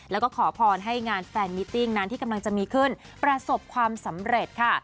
แล้วก็ขอพรให้งานแฟนมิติ้งนั้นที่กำลังจะมีขึ้นประสบความสำเร็จค่ะ